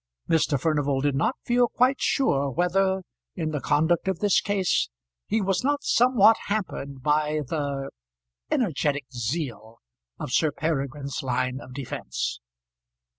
Mr. Furnival did not feel quite sure whether in the conduct of this case he was not somewhat hampered by the energetic zeal of Sir Peregrine's line of defence.